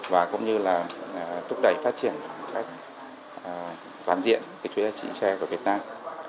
và cũng như là thúc đẩy phát triển phát triển toàn diện chuỗi giá trị tre của việt nam